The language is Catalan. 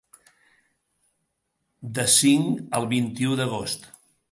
De cinc al vint-i-u d’agost.